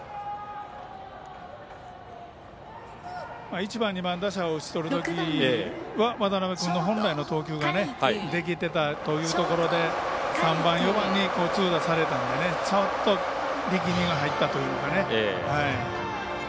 １番、２番打者を打ち取るときに渡邊君の本来の投球ができてたってところで３番、４番に痛打されたのでちょっと力みが入ったというのかね。